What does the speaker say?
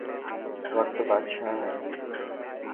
وقت بادشاهه هي.